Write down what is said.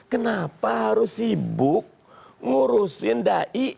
kenapa harus sibuk ngurusin dai